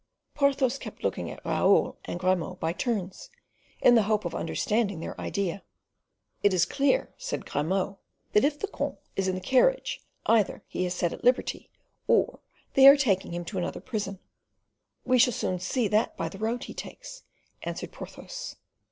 Porthos kept looking at Raoul and Grimaud by turns, in the hope of understanding their idea. "It is clear," said Grimaud, "that if the comte is in the carriage, either he is set at liberty or they are taking him to another prison." "We shall soon see that by the road he takes," answered Porthos.